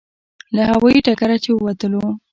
له هوایي ډګره چې ووتلو.